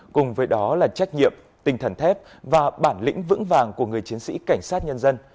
cùng với đó là trách nhiệm tinh thần thép và bản lĩnh vững vàng của người chiến sĩ cảnh sát nhân dân